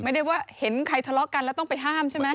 ไม่ได้ว่าเห็นใครทะเลาะกันแล้วต้องไปห้ามใช่ไหม